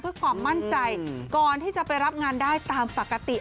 เพื่อความมั่นใจก่อนที่จะไปรับงานได้ตามปกติ